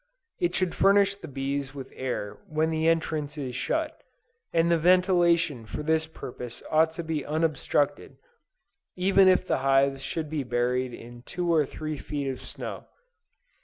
It should furnish the bees with air when the entrance is shut; and the ventilation for this purpose ought to be unobstructed, even if the hives should be buried in two or three feet of snow.